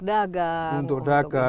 dagang untuk kontraksi